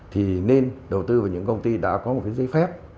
thì nên đầu tư vào những công ty đã có một cái giấy phép